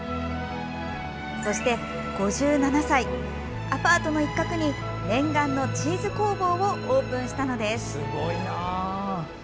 そして、５７歳アパートの一角に念願のチーズ工房をオープンしたのです。